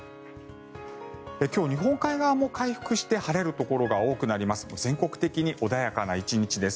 今日、日本海側も回復して晴れるところが多くなります。